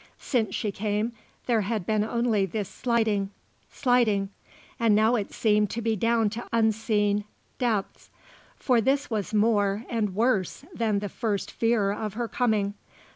Since she came, there had been only this sliding, sliding, and now it seemed to be down to unseen depths. For this was more and worse than the first fear of her coming.